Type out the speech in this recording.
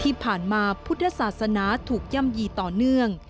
ที่ผ่านมาพุทธศาสนาถูกย่ำยีต่อเนื่อง